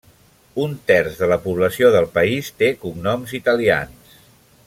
Un terç de la població del país té cognoms italians.